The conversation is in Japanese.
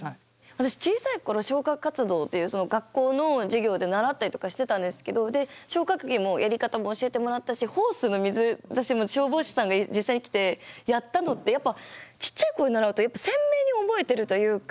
私小さい頃消火活動という学校の授業で習ったりとかしてたんですけどで消火器もやり方も教えてもらったしホースの水私消防士さんが実際に来てやったのってやっぱちっちゃい頃に習うと鮮明に覚えてるというか。